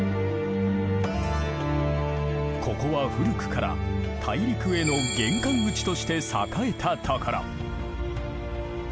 ここは古くから大陸への玄関口として栄えたところ。